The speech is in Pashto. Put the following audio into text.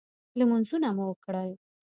لمنځونه مو وکړل.